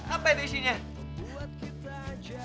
apa itu isinya